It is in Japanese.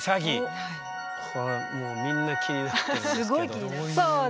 これみんな気になってるんですけどどういう。